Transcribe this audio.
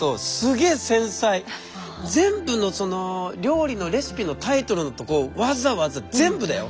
全部の料理のレシピのタイトルのとこわざわざ全部だよ。